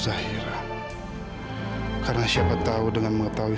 sebaiknya aku tahan arman dulu